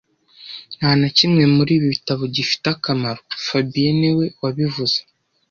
Nta na kimwe muri ibi bitabo gifite akamaro fabien niwe wabivuze